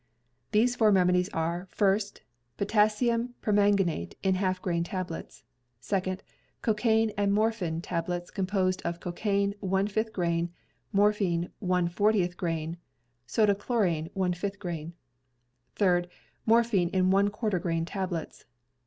These four remedies are: First — Potassium permanganate in half grain tablets. Second — Cocain and morphin tablets composed of cocain, one fifth grain; morphin, one fortieth grain; soda chlor., one fifth grain. Third — Morphin in one quarter grain tablets.